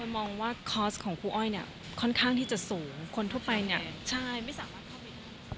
มองว่าคอล์สของครูอ้อยเนี่ยค่อนที่จะสูงคนทั่วไปเนี่ยใช่